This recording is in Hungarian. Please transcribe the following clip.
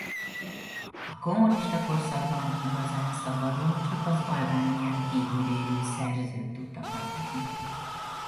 A kommunista korszakban igazán szabadon csak az Albánián kívül élő szerzők tudtak alkotni.